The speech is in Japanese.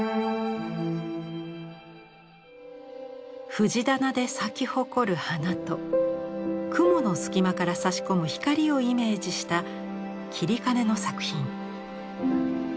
藤棚で咲き誇る花と雲の隙間からさし込む光をイメージした截金の作品。